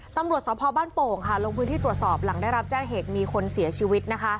ตำรวจสพบ้านโป่งค่ะลงพื้นที่ตรวจสอบหลังได้รับแจ้งเหตุมีคนเสียชีวิตนะคะ